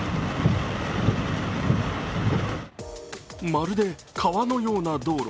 まるで川のような道路。